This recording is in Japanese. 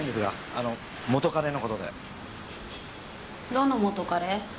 どの元カレ？